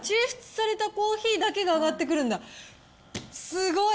すごい。